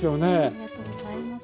ありがとうございます。